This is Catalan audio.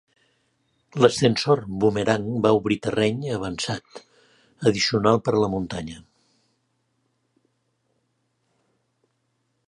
L'ascensor Boomerang va obrir terreny avançat addicional per a la muntanya.